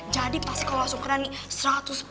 jadi pas kalau langsung kena nih